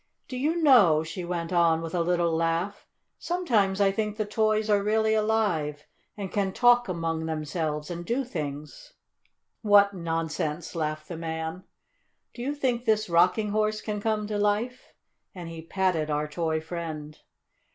"Do you know," she went on with a little laugh, "sometimes I think the toys are really alive, and can talk among themselves, and do things." "What nonsense!" laughed the man. "Do you think this Rocking Horse can come to life?" and he patted our toy friend.